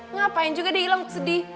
ngapain juga dia hilang sedih